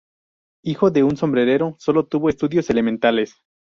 Hijo de un sombrerero, solo tuvo estudios elementales.